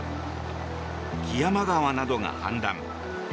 木山川などが氾濫。